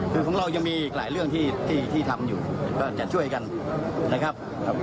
คือของเรายังมีอีกหลายเรื่องที่ทำอยู่ก็จะช่วยกันนะครับ